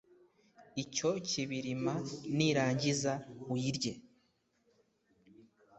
icyo kibirima, nirangiza uyirye,